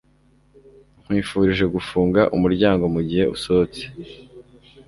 Nkwifurije gufunga umuryango mugihe usohotse